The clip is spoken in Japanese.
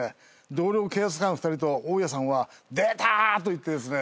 同僚警察官２人と大家さんは「出た！」と言ってですね